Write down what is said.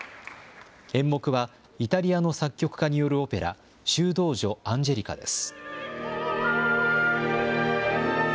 演目はイタリアの作曲家によるオペラ修道女アンジェリカです。